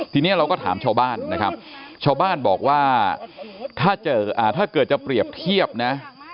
ทีนี้เราก็ถามชาวบ้านนะครับชาวบ้านบอกว่าถ้าเกิดจะเปรียบเทียบนะ